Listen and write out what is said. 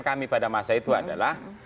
kami pada masa itu adalah